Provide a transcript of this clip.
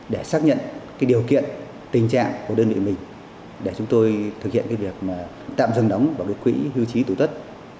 để xác nhận điều kiện tình trạng của đơn vị mình để chúng tôi thực hiện việc tạm dừng đóng vào quỹ hưu trí tử tất